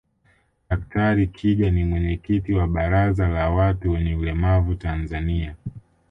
Daktari kija ni mwenyekiti wa baraza la watu wenye ulemavu Tanzania